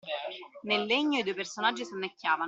Nel legno i due personaggi sonnecchiavano.